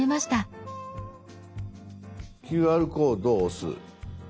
「ＱＲコード」を押す。